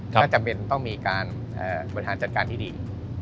ถ้าจำเป็นต้องมีปัญหาจัดการที่ดี